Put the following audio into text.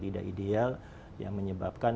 tidak ideal yang menyebabkan